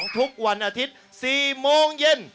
ทุกวันอาทิตย์๔โมงเย็น